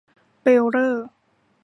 เบรลเลอร์